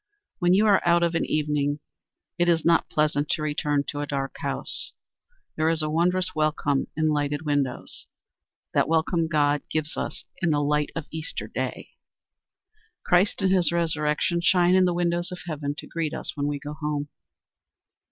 When you are out of an evening it is not pleasant to return to a dark house. There is a wondrous welcome in lighted windows. That welcome God gives us in the light of Easter day. Christ, and his resurrection, shine in the windows of heaven to greet us when we go home.